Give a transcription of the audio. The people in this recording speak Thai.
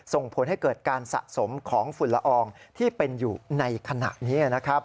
ส่งผลให้เกิดการสะสมของฝุ่นละอองที่เป็นอยู่ในขณะนี้นะครับ